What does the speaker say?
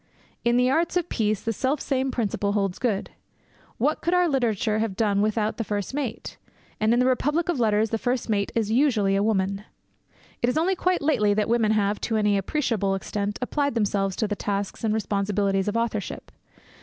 In the arts of peace the selfsame principle holds good. What could our literature have done without the first mate? And in the republic of letters the first mate is usually a woman. It is only quite lately that women have, to any appreciable extent, applied themselves to the tasks and responsibilities of authorship.